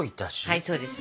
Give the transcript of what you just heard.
はいそうです。